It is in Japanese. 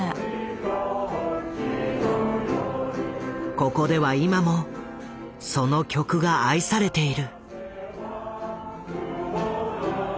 ここでは今もその曲が愛されている。